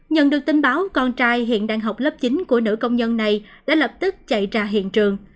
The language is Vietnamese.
nhận được tin báo con trai hiện đang học lớp chín của nữ công nhân này đã lập tức chạy ra hiện trường